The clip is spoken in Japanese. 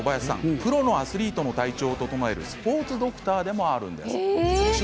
プロのアスリートの体調を整えるスポーツドクターでもあるんです。